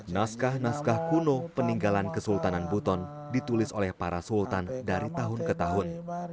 naskah naskah kuno peninggalan kesultanan buton ditulis oleh para sultan dari tahun ke tahun